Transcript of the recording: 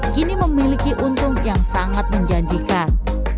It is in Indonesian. kini memiliki untung yang sangat menjanjikan